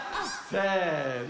せの！